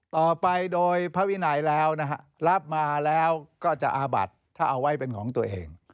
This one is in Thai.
ต่อไปโดยภาวิไหนรับมาแล้วก็จะอาบัติถ้าเอาไว้เป็นของตัวเอง